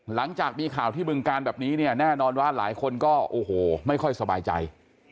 หลังจากมีข่าวที่บึงการแบบนี้เนี่ยแน่นอนว่าหลายคนก็โอ้โหไม่ค่อยสบายใจ